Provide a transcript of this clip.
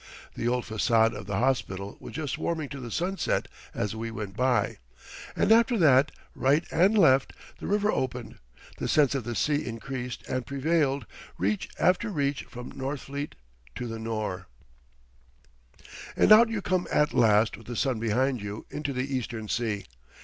The old façade of the Hospital was just warming to the sunset as we went by, and after that, right and left, the river opened, the sense of the sea increased and prevailed, reach after reach from Northfleet to the Nore. And out you come at last with the sun behind you into the eastern sea.